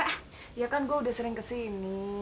eh ya kan gue udah sering kesini